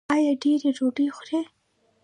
ایا ډیرې ډوډۍ خورئ؟